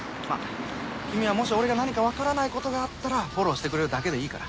キミはもし俺が何かわからないことがあったらフォローしてくれるだけでいいから。